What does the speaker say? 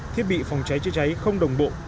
thiết bị phòng cháy chữa cháy không đồng bộ